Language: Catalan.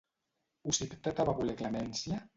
Ocíptete va voler clemència?